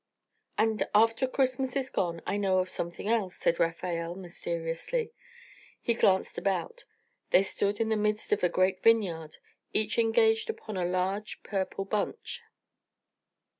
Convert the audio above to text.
"And after Christmas is gone I know of something else," said Rafael, mysteriously. He glanced about. They stood in the midst of a great vineyard, each engaged upon a large purple bunch.